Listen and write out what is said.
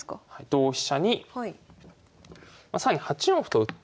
同飛車に更に８四歩と打って。